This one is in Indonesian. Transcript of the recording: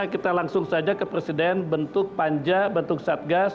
kita langsung saja ke presiden bentuk panja bentuk satgas